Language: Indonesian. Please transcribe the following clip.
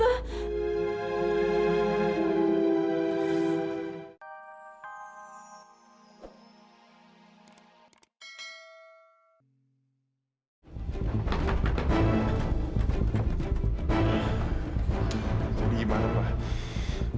jadi gimana pak